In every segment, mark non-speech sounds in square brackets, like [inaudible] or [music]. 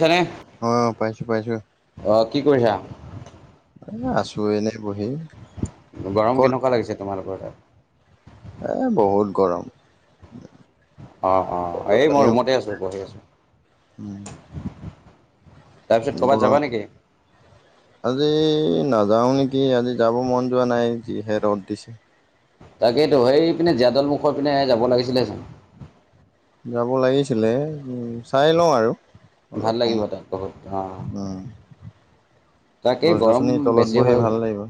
যেনে। অ', পাইছোঁ, পাইছোঁ। অ', কি কৰিছা? এ, আছোঁ এনেই বহি। গৰম ক'ত কেনেকুৱা লাগিছে তোমালোকৰ তাত? এ, বহুত গৰম। অ', অ'। গছ এই মই গছনিও ৰুমতে আছোঁ বহি আছোঁ। [inaudible] তাৰপিছত ক'ৰবাত গলো। যাবা নেকি আজি নাযাওঁ নেকি? আজি যাব মন যোৱা নাই, যিহে ৰ'দ দিছে। তাকেইতো। সেইপিনে জীয়াদল মুখৰপিনে যাব লাগিছিলে চোন। যাব লাগিছিলে! উম, চাই লওঁ আৰু। অলপ ভাল লাগিব সময় তাত বহুত অ'। উম তাকেই গছ গৰম গছনিৰ তলত বেছি বহি হয়। ভাল লাগিব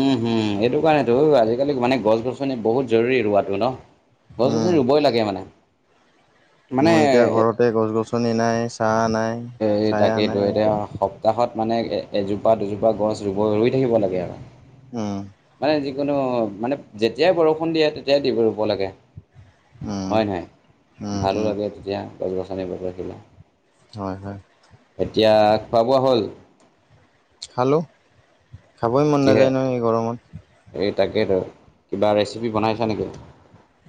উম, হুম। এইটো কাৰণেতো আজিকালি মানে গছ-গছনি বহুত জৰুৰী ৰোৱাটো ন? উম গছ-গছনি ৰুৱই লাগেই মানে। মানে মোৰ এতিয়া ঘৰতে গছ-গছনি নাই, ছাঁ নাই। সেই চায়া তাকেইটো নাই একো এতিয়া, স। সপ্তাহত মানে এজোপা দুজোপা গছ ৰুব ৰুই থাকিব লাগে আৰু। উম মানে যি। কোনো মানে যেতিয়াই বৰষুণ দিয়ে, তেতিয়াই দিব ৰুব লাগে।। উম হয়, হয়। উম ভালো উম লাগে তেতিয়া গছ-গছনি হয়, হয়। এতিয়া, খোৱা-বোৱা হ'ল? খালোঁ। খাবই মন কিহে নাযায় নহয় এই গৰমত। এই তাকেইটো। কিবা ৰেচিপি বনাইছা নেকি?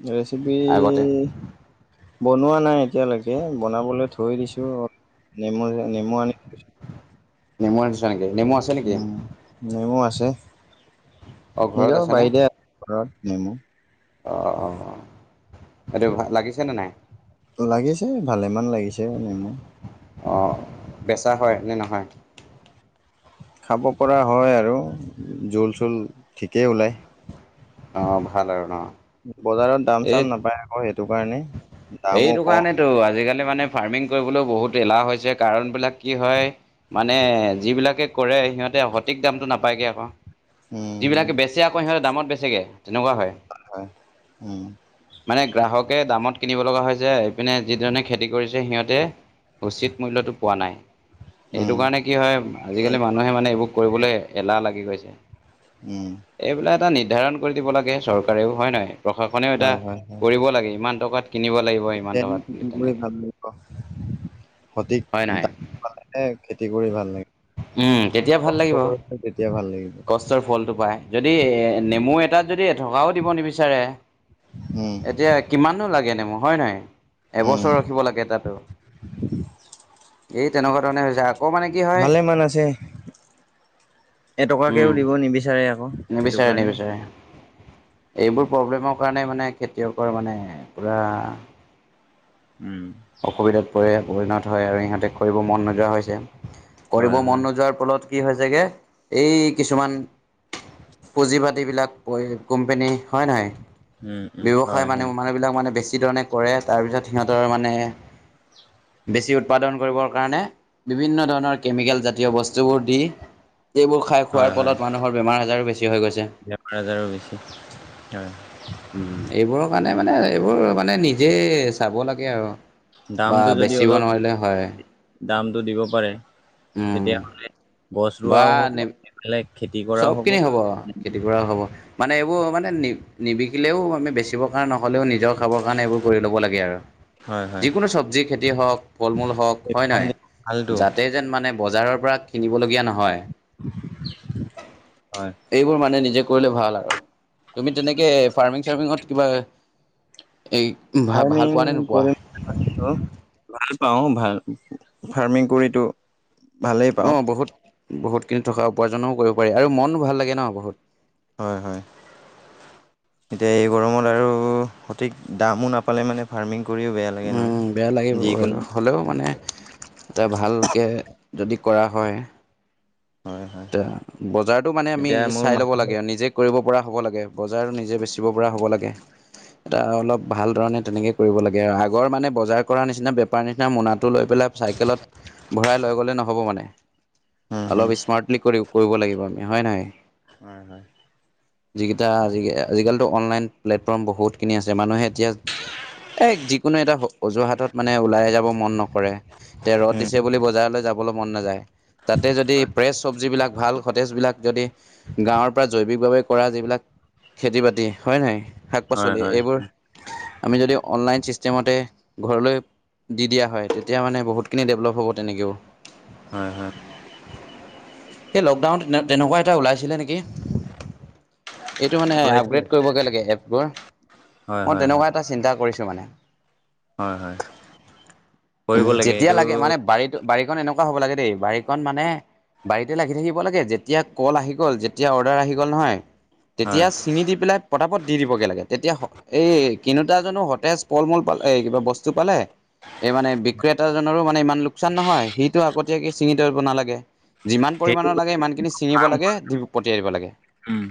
ৰেচিপি। আগতে বনোৱা নাই এতিয়ালৈকে, বনাবলৈ থৈ দিছোঁ। নেমু-নেমু আনি। নেমু আনিছা নেকি? নেমু আছে। নেকি উম, নেমু আছে। অ', ঘৰত নিজৰ আছেনে? বাৰীতে ঘৰত নেমু অ', অ', অ'। এইটো ভা- লাগিছেনে নাই? লাগিছে, ভালেমান লাগিছে নেমু। অ বেচা হয় নে নহয়? খাব পৰা হয় আৰু জোল চোল ঠিকেই ওলায়। অঁ ভাল আৰু ন। বজাৰত দাম এই চাম নাপায় আকৌ সেইটো কাৰণে দামো কম। টো আজিকালি মানে। ফাৰ্মিং কৰিবলো বহুত এলাহ হৈছে কাৰণবিলাক। কি হয় মানে যিবিলাকে কৰে সিহঁতে সঠিক দামটো নাপায়গৈ আকৌ। উম যিবিলাকে বেচে আকৌ সিহঁৰ দামত বেছগৈ তেনেকুৱা হয়। হয়, হয় উম। মানে গ্ৰাহকে দামত কিনিব লগা হৈছে এইপিনে যি ধৰণে খেতি কৰিছে সিহঁতে উচিত মূল্যটো পোৱা নাই। এইটো উম কাৰণে কি হয় আজিকালি মানুহে মানে এইবোৰ কৰিবলৈ এলাহ লাগি গৈছে। উম। এইবিলাক এটা নিৰ্ধাৰণ কৰি দিব লাগে চৰকাৰেও হয়ে নহয় প্ৰশাসনেও এটা কৰিব লাগে ইমান টকাত কিনিব লাগিব ইমান ডেন টকাত বুলি তেনেকৈ [unintelligible] সঠিক হয় নহয় দাম পালেহে খেতি কৰি ভাললাগে। উম, তেতিয়া ভাল লাগিব। কষ্ট কৰি তেতিয়া ভাল লাগিব। [unintelligible] ফলটো পায় যদি এ, নেমু এটাত যদি এটকাও দিব নিবিচাৰে উম এতিয়া কিমানো লাগেনে মোৰ হয় নহয় উম এবছৰ ৰখিব লাগে তাতো। এই তেনেকুৱা ধৰণে হৈছে। মানে কি হয় ভালে মান আছে এটকাকেও উম, দিব নিবিচাৰে আকৌ। সেইটো নিবিচাৰে, কাৰণে নিবিচাৰে। এইবোৰ প্ৰব্লেমৰ কাৰণে মানে খেতিয়কৰ মানে পুৰা উম। অসুবিধাত প পৰিণত হয় আৰু ইিহঁতে কৰিব মন নোযোৱা হৈছে কৰিব হয় মন হয় নোযোৱাৰ ফলত কি হৈছেগৈ এই কিছুমান পুঁজি পতিবিলাক কোম্পোনী হয়, নহয়। উম উম হয় ব্যৱসায় মানুহ হয় মানুহবিলাক মানে বেছি ধৰণে কৰে তাৰপিছত সিহঁতৰ মানে [inaudible] বেছি উৎপাদন কৰিবৰ কাৰণে বিভিন্ন ধৰণৰ কেমিকেল জাতীয় বস্তুবোৰ দি এইবোৰ খাই হয় খোৱাৰ ফলত মানুহৰ বেমাৰ আজাৰো বেছি হৈ গৈছে। আ হাজাৰো বেছি হয়। উম এইবোৰৰ কাৰণে মানে এইবোৰ মানে নিজে চাব লাগে আৰু। বা দামটো যদি বেচিব অলপ নোৱাৰিলে হয় দামটো দিব পাৰে উম তেতিয়াহ'লে গছ বা ৰোৱাও হ'ব নে বেলেগ খেতি চবখিনি হ'ব খেতি কৰাও হ'ব। মানে এইবোৰ মানে নি নিবিকিলেও আমি বেচিব কাৰণে নহ'লেও নিজৰ খাবৰ কাৰণে এইবোৰ কৰি ল'ব লাগে আৰু। হয় হয় যিকোনো চব্জি খেতি হওঁক ফল মূল হওঁক হয় নহয় ভালটো যাতে যেন মানে বজাৰৰ পৰা কিনিবলগীয়া নহয় হয়। এইবোৰ মানে নিজে কৰিলে ভাল আৰু তুমি তেনেকৈ ফাৰ্মিং চাৰ্মিঙত কিবা এ এই ভ ভাল পোৱা নে নোপোৱা। অ', ভাল পাওঁ ভাল ফাৰ্মিং কৰিতো ভালেই পাওঁ অ', বহুত বহুতখিনি থকা উপাৰ্জনো কৰিব পাৰি আৰু মনো ভাল লাগে ন বহুত হয়, হয়। এতিয়া এই গৰমত আৰু সঠিক দামো নাপালে মানে ফাৰ্মিং কৰিও বেয়া লে উম, বেয়া লাগিব হ'লেও মানে তই ভালকে যদি কৰা হয়। হয় হয় এ বজাৰতো মানে আমি এতিয়া মোৰ চাই ল'ব লাগে আৰু নিজে কৰিব পৰা হ'ব লাগে বজাৰ নিজে বেচিব পৰা হ'ব লাগে এটা হয় অলপ হয় ভাল ধৰণে তেনেকৈ কৰিব লাগে আৰু আগৰ মানে বজাৰ কৰা নিচিনা বেপাৰ নিচিনা মোনাটো লৈ পেলাই চাইকেলত ভৰাই লৈ গ'লে নহ'ব মানে অলপ স্মাৰ্টলি কৰিব লাগিব আমি হয়ে নহয়। হয় হয় যিকেইটা আজিকালিতো অনলাইন প্লেটফৰ্ম বহুতখিনি আছে মানুহে এতিয়া এ যিকোনো এটা অজুহাতত মানে ওলাই যাব মন নকৰে তে ৰ'দ দিছে বুলি বজাৰলৈ যাবলে মন নাযায় তাতে যদি ফ্ৰেছ চব্জিবিলাক ভাল সতেজবিলাক যদি গাঁৱৰ পৰা জৈৱিকভাৱে কৰা যিবিলাক খেতি বাতি হয় নাই শাক হয় পাচলি হয় এইবোৰ আমি যদি অনলাইন ছিষ্টেমতে ঘৰলৈ দি দিয়া হয় তেতিয়া মানে বহুতখিনি ডেভেলপ হ'ব তেনেকেও হয় হয় এ লকডাউন তেনেকুৱা এটা ওলাইছিলে নেকি এইটো মানে ওলাইছিলে আপগ্ৰেড কৰিবগে লাগে এপবোৰ হয় মই হয় হয় তেনেকুৱা এটা চিন্তা কৰিছোঁ মানে হয় হয় কৰিব লাগে যেতিয়া এইটো মানে বাৰীটো বাৰীখন এনেকুৱা হ'ব লাগে দেই বাৰীখন মানে বাৰীতে লাগি থাকিব লাগে যেতিয়া কল আহি গ'ল যেতিয়া অৰ্ডাৰ আহি গ'ল নহয় হয় তেতিয়া কিনি দি পেলাই পতাপত দি দিবগে লাগে তেতিয়া এই কিনোতা জনো সতেজ পল মূল পাল এই কিবা বস্তু পালে এই মানে বিক্ৰেতাজনৰো মানে ইমান লোকচান নহয় সিটো আগতীয়াকে ছিঙি থব নালাগে যিমান সেইটো পৰিমাণৰ লাগে সিমানখিনি ছিঙিব ফাৰ্ম লাগে ধূপ পঠিয়াই দিব লাগে উম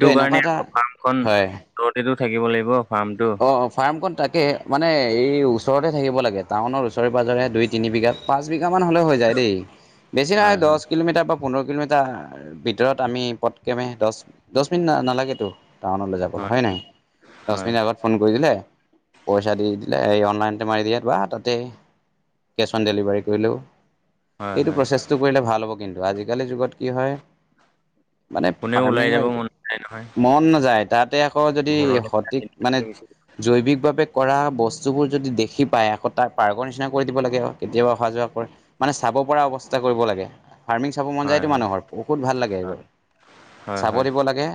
ত' এনেকুৱা কাৰণে এটা আকৌ ফাৰ্মখন হয় তহঁতেতো থাকিব লাগিব ফাৰ্মটো অঁ ফাৰ্মখন তাকে মানে এই ওচৰতে থাকিব লাগে টাউনৰ ওচৰে পাঁজৰে দুই তিনিবিঘা পাঁচ বিঘা মান হলে হৈ যায় দেই বেছি হয় নহয় দহ হয় কিলোমিটাৰ প পোন্ধৰ কিলোমিটাৰ ভিতৰত আমি পটকেমে দহ দহ মিনিট নালাগেতো টাউনলে যাব হয় নাই দহ হয় আগত ফোন কৰি দিলে পইচা দি দিলে এই অনলাইন মাৰি দিয়ে বা তাতে কেছ অন ডেলিভাৰী কৰিলেও হয় এইটো হয় প্ৰচেছটো কৰিলে ভাল হ'ব কিন্তু আজিকালি যুগত কি হয় মানে কোনেও ওলাই ফাৰ্মিঙৰ যাব এইটো মন নাযায় নহয় মন নাযায় তাতে আকৌ যদি ঘৰলে সঠিক য জৈৱিকভাৱে কৰা বস্তুবোৰ যদি দেখি পায় আকৌ তাৰ পাৰ্গৰ নিচিনা কৰি দিব লাগে কেতিয়াবা অহা যোৱা কৰে মানে চাব পৰা অৱস্থা কৰিব লাগে ফাৰ্মিং চাব মান যায় হয় তো হয় মানুহৰ বহুত ভাল লাগে হয় এইবোৰ হয় চাব হয় দিব লাগে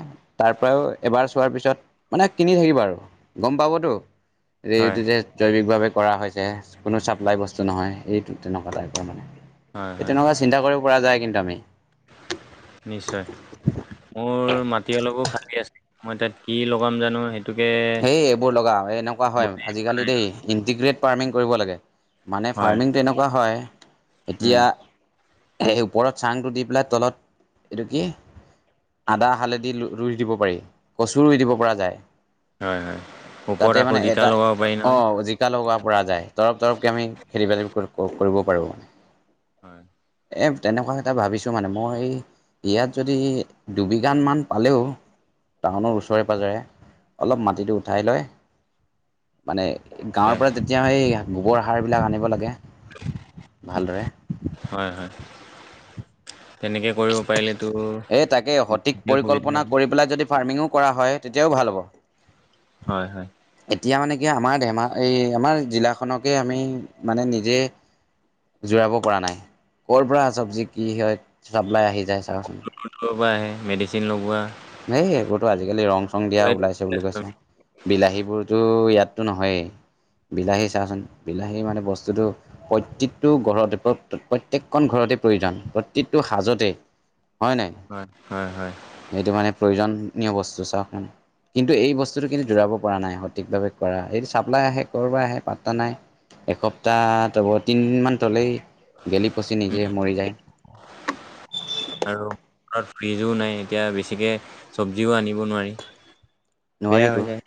তাৰ পৰাও এবাৰ চোৱাৰ পিছত মানে কিনি থাকিবা আৰু গম পাবতো হয় এইটো যে জৈৱিকভাৱে কৰা হৈছে কোনো চাপ্লাই বস্তু নহয় এইটো তেনেকুৱা টাইপৰ মানে হয় হয় তেনেকুৱা চিন্তা কৰিব পৰা যায় কিন্তু আমি নিশ্চয় মোৰ মাটি অলপো খালী আছে মই তাত কি লগাম জানো সেইটোকে সেই এইবোৰ লগাও এই এনেকুৱা হয় বুজি পোৱা আজিকালি নাই দেই ইণ্টিগ্ৰেট ফাৰ্মিং কৰিব লাগে মানে হয় ফাৰ্মিংটো এনেকুৱা হয় উম এতিয়া সেই ওপৰত চাংটো দি পেলাই তলত এইটো কি আদা হালধি ৰুই দিব পাৰি কচু ৰুই দিব পৰা যায় হয় হয় ওপৰত তাতে আকৌ মানে জিকা এটা লগাব পাৰি অ নহয় যি টা লগাব পৰা যায় তৰপ তৰপকৈ আমি খেতি বাতি কৰিব পাৰোঁ হয় এই তেনেকুৱা এটা ভাবিছোঁ মানে মই এই ইয়াত যদি দুবিঘানমান পালেও টাউনৰ ওচৰে পাজৰে অলপ হয় মাটিটো উঠাই লয় মানে গাঁৱৰ পৰা যে তিয়া সেই গোবৰ সাৰবিলাক আনিব লাগে ভালদৰে হয় হয় তেনেকে কৰিব পাৰিলেতো বুলে সুবিধা হয় এইবিলাক যদি ফাৰ্মিঙো কৰা হয় তেতিয়াও ভাল হ'ব হয় হয় এতিয়া মানে কি আমাৰ ধেমা এই আমাৰ জিলাখনকে আমি মানে নিজে জোৰাব পৰা নাই ক'ৰ পৰা চবজি কি হয় চাপ্লাই আহি যায় বহুত চাওচোন দূৰৰ দূৰৰ পৰা আহে মেডিচিন লগোৱা হেই এইবোৰতো আজিকালি ৰং চং দিয়া ওলাইছে বুলি কৈছে বিলাহীবোৰতো ইয়াততো নহয়েই বিলাহী চাচোন বিলাহী মানে বস্তুটো প্ৰত্যেকতো ঘৰতে প্ৰ প্ৰত্যেকখন ঘৰতে প্ৰয়োজন প্ৰত্যেকতো সাজতে হয় নাই হয় হয় হয় এইটো মানে প্ৰয়োজনীয় বস্তু চাওক মানে কিন্তু এই বস্তুটো কিন্তু জোৰাব পৰা নাই সঠিকভাৱে কৰা এইটো চাপ্লাই আহে কৰ'বাৰ আহে পাত্তা নাই এসপ্তাহ তিনিদিনমান তলেই গেলি পচি নিজে মৰি যায় [unintelligible] আৰু ঘৰত ফ্ৰিজো নাই এতিয়া বেছিকে চব্জিও আনিব নোৱাৰি বেয়া নোৱাৰিতো হৈ যায়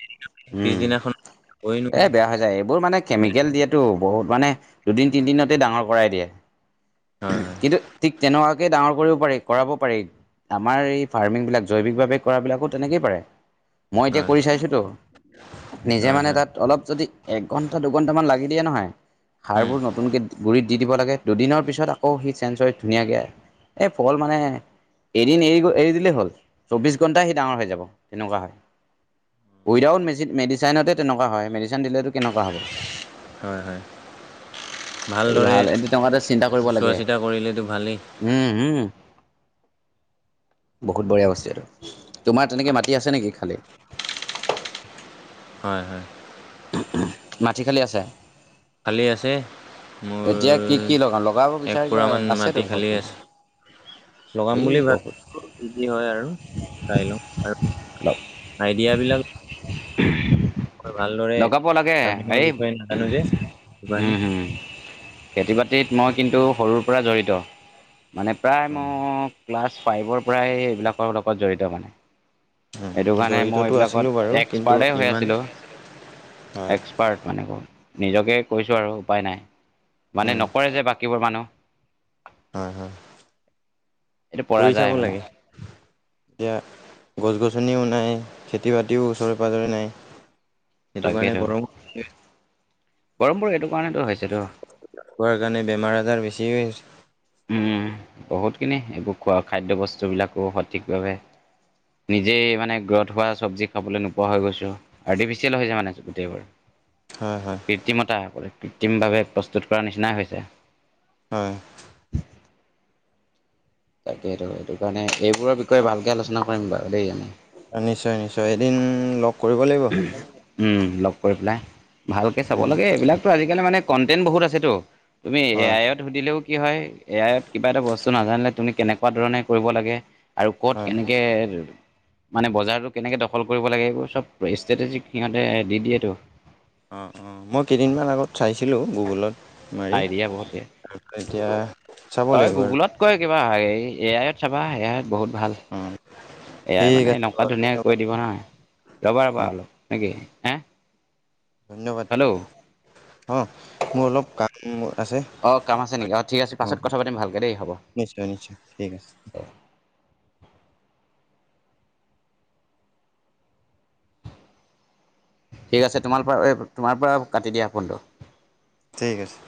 পিছদিনাখন খাবই উম এ নোৱাৰি বেয়া হৈ যায় এইবোৰ মানে কেমিকেল দিয়েতো বহুত মানে দুদিন তিনিদিনতে ডাঙৰ কৰাই দিয়ে হয় হয় কিন্তু ঠিক তেনেকোৱাকে ডাঙৰ কৰিব পাৰি কৰাব পাৰি আমাৰ এই ফাৰ্মিং বিলাক জৈৱিকভাৱে কৰা বিলাকো তেনেকেই পাৰে মই এতিয়া হয় কৰি চাইছোতো নিজে হয় মানে হয় তাত অলপ যদি একঘণ্টা দুঘন্টামান লাগি দিয়ে নহয় উম সাৰবোৰ নতুনকৈ গুৰিত দি দিব লাগে দুদিনৰ পিছত আকৌ সেই চেঞ্চৰ ধুনীয়াকে আহে এই ফল মানে এদিন এৰি এৰি দিলেই হ'ল চৌব্বিছ ঘণ্টাই সি ডাঙৰ হৈ যাব তেনেকোৱা হয় উইডাউট মে মেডিচাইনতে তেনেকোৱা হয় মেডিচিন দিলেতো কেনেকোৱা হ'ব হয় হয় এইটো ভালদৰে ভাল এটো তহঁতে চিন্তা কৰিব চোৱা লাগে চিতা কৰিলেতো ভালেই উম উম বহুত বঢ়িয়া বস্তু এইটো তোমাৰ তেনেকে মাটি আছে নেকি খালি হয় হয় মাটি খালি আছে খালি আছে মোৰ এতিয়া কি কি লগা লগাব এক বিচাৰিবা পুৰামান আছেতো মাটি খালী বহুতখিনি আছে লগাম বুলি ভা ইজি হয় আৰু চাই লও আৰু লগ আইডিয়া বিলাক লগাব লাগে ফাৰ্মিঙৰ এই বিষয়ে নাজানো যে সেইটো কাৰণে। হম হম খেতি বাতিত মই কিন্তু সৰুৰ পৰা জড়িত মানে প্ৰায় মই ক্লাছ ফাইভৰ পৰাহে এইবিলাকৰ লগত জড়িত মানে সেইটো কাৰণে মই জড়িতটো আছিলোঁ বাৰু এইবিলাকত কিন্তু এক্সপাৰ্টেই হৈ ইমান আছিলো আৰু হয় এক্সপাৰ্ট মানে নিজকে কৈছো আৰু উপায় নাই মানে উম নকৰে যে বাকীবোৰ মানুহ হয় হয় এইটো পৰা কৰি চাব যায় মানে লাগে এতিয়া। গছ গছনিও নাই খেতি বাতিও ওচৰে পাজৰে নাই সেইটো কাৰণে গৰম। গৰম বোৰ এইটো কাৰণেটো হৈছেতো। খোৱাৰ কাৰণে বেমাৰ আজাৰ বেছিহে হৈছে। উম বহুতখিনি এইবোৰ খোৱা খাদ্য বস্তুবিলাকো সঠিকভাৱে। নিজেই মানে গ্ৰথ হোৱা চব্জি খাবলৈ নোপোৱা হৈ গৈছোঁ। আৰ্টিফিচিয়েল হৈছে মানে গোটেইবোৰ হয় হয়। কৃত্ৰিমতাসকলে কৃত্ৰিমভাৱে প্ৰস্তুত কৰাৰ নিচিনাই হৈছে। হয়। তাকেইতো সেইটো কাৰণে এইবোৰৰ বিষয়ে ভালকৈ আলোচনা কৰিম বাৰু দেই। নিশ্চয় নিশ্চয় এদিন লগ কৰিব লাগিব। উম লগ কৰি পেলাই ভালকে চাব উম লাগে এইবিলাকতো আজিকালি মানে। কণ্টেণ্ট বহুত আছেতো তুমি এ হয় আইত। সুধিলেও কি হয় এ আয়ত কিবা এটা বস্তু নাজানিলে তুমি কেনেকুৱা ধৰণে কৰিব লাগে। আৰু ক'ত হয়। কেনেকে মানে বজাৰটো কেনেকৈ দখল কৰিব লাগে এইবোৰ চব। ষ্ট্ৰেটেজিক সিহঁতে দি দিয়েতো। অঁ অঁ মই কেইদিনমান আগত চাইছিলোঁ গুগুলত। মাৰি আইডিয়া বহুত দিয়ে। তাৰি এতিয়া চাব অ লাগিব আৰু। গুগলত কয় কিবা হ এ আয়ত চাবা এ আয়ত বহুত ভাল। উম। এয়াই মানে এনেকুৱা ধুনীয়াক কৈ দিব নহয় ৰ'বা ৰ'বা অঁ হল নেকি হে। ধন্যবাদ হেল্ল' অঁ মোৰ অলপ কাম আছে। অঁ কাম আছে নেকিঁ ঠিক আছে পাছত কথা পাতিম ভালকে দেই হ'ব। নিশ্চয় নিশ্চয় ঠিক আছে। ঠিক আছে তোমাৰ পৰা তোমাৰ পৰা কাটি দিয়া ফোনটো। ঠিক আছে।